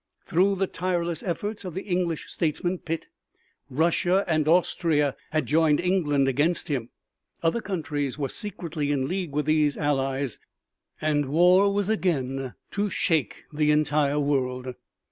Through the tireless efforts of the English statesman, Pitt, Russia and Austria had joined England against him. Other countries were secretly in league with these allies, and war was again to shake the entire world.